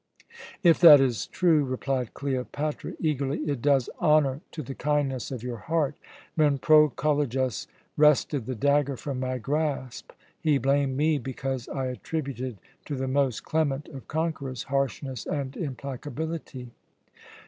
"If that is true," replied Cleopatra eagerly, "it does honour to the kindness of your heart. When Proculejus wrested the dagger from my grasp he blamed me because I attributed to the most clement of conquerors harshness and implacability."